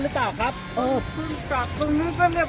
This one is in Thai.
ข้อ๒ถือเต้อที่สายทีดื่มร้อนพี่เขาอีก